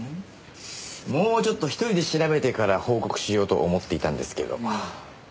もうちょっと１人で調べてから報告しようと思っていたんですけど。